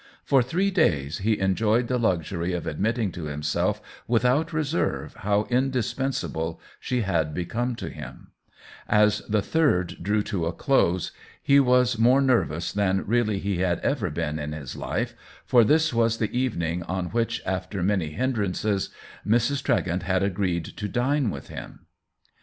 For three days he enjoyed the luxury of ad mitting to himself without reserve how in dispensable she had become to him ; as the third drew to a close he was more nervous than really he had ever been in his life, for this was the evening on which, after many hinderances, Mrs. Tregent had agreed to 82 THE WHEEL OF TIME dine with him.